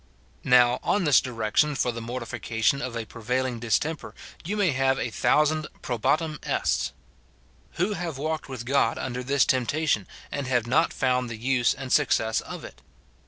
Now, on this direction for the mortification of a pre vailing distemper you may have a thousand " probatum est's." Who have walked with God under this tempta tion, and have not found the use and success of it